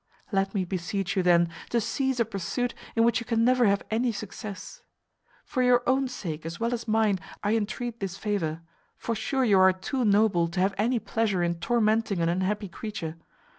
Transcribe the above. Let me beseech you, then, to cease a pursuit in which you can never have any success. For your own sake as well as mine I entreat this favour; for sure you are too noble to have any pleasure in tormenting an unhappy creature.